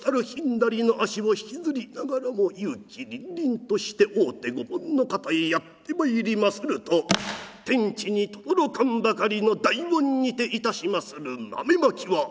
左の足を引きずりながらも勇気りんりんとして大手御門の方へやって参りますると天地にとどろかんばかりの大音にていたしまする豆まきは。